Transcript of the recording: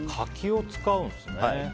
柿を使うんですね。